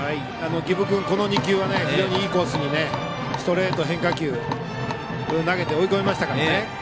儀部君、この２球は非常にいいコースにストレート、変化球を投げて追い込みましたからね。